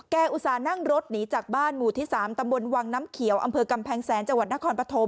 อุตส่าห์นั่งรถหนีจากบ้านหมู่ที่๓ตำบลวังน้ำเขียวอำเภอกำแพงแสนจังหวัดนครปฐม